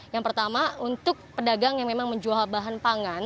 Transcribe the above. yang pertama untuk pedagang yang memang menjual bahan pangan